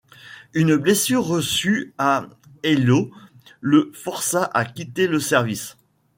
Une blessure reçue à Eylau le força à quitter le service.